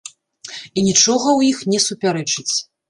І нічога ў іх не супярэчыць.